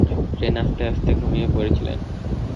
ট্রেনে আসতে আসতে ঘুমিয়ে পড়েছিলেন।